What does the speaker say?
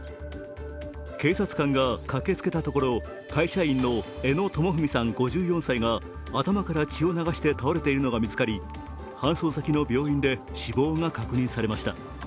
警察官が駆けつけたところ会社員の江野倫史さん５４歳が頭から血を流して倒れているのが見つかり搬送先の病院で死亡が確認されました。